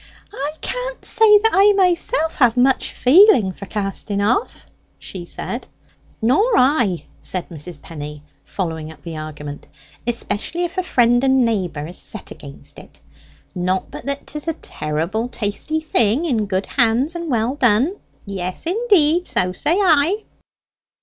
"I can't say that I myself have much feeling for casting off," she said. "Nor I," said Mrs. Penny, following up the argument, "especially if a friend and neighbour is set against it. Not but that 'tis a terrible tasty thing in good hands and well done; yes, indeed, so say I."